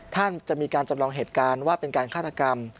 ท่านจะมีการจำลองเหตุการณ์ว่าเป็นการฆาตกรรม